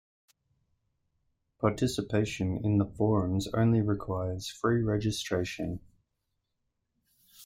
Participation in the forums only requires free registration.